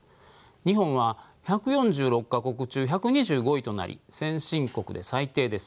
日本は１４６か国中１２５位となり先進国で最低です。